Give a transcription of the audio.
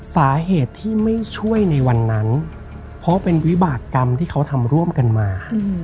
สาเหตุที่ไม่ช่วยในวันนั้นเพราะเป็นวิบากรรมที่เขาทำร่วมกันมา